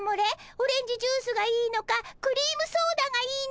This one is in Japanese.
オレンジジュースがいいのかクリームソーダがいいのか。